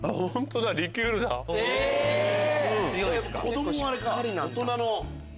子供はあれか大人の。